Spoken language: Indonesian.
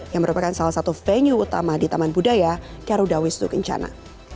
yang merupakan salah satu venue utama di taman budaya garuda wisnu kencana